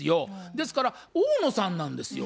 ですから大野さんなんですよ。